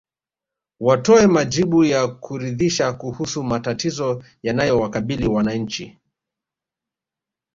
Watoe majibu ya kuridhisha kuhusu matatizo yanayowakabili wananchi